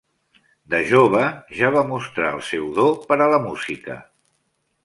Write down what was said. De jove ja va mostrar el seu do per a la música.